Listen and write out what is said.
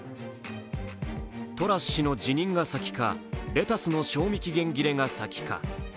トラス氏の辞任が先かレタスの賞味期限切れが先か。